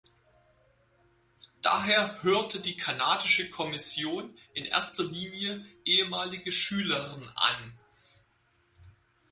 Daher hörte die kanadische Kommission in erster Linie ehemalige Schülern an.